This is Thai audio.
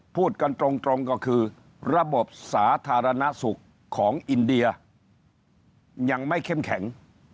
พูดกันตรงก็คือระบบสาธารณสุขของอินเดียยังไม่เข้มแข็ง